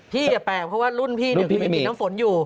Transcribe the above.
พี่แปลกเพราะว่ารุ่นพี่เดี๋ยวมีผิดน้ำฝนอยู่